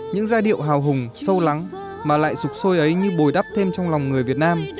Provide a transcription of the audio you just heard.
những giai điệu hào hùng sâu lắng mà lại sục sôi ấy như bồi đắp thêm trong lòng người việt nam